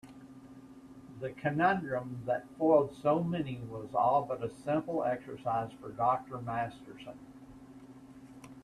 The conundrum that foiled so many was all but a simple exercise for Dr. Masterson.